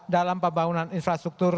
dalam pembangunan infrastruktur